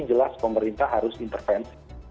jelas pemerintah harus intervensi